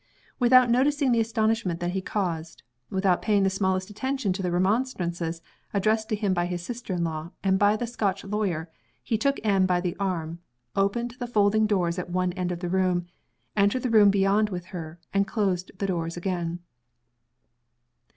Without noticing the astonishment that he caused; without paying the smallest attention to the remonstrances addressed to him by his sister in law and by the Scotch lawyer, he took Anne by the arm, opened the folding doors at one end of the room entered the room beyond with her and closed the doors again.